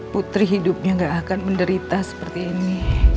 putri hidupnya gak akan menderita seperti ini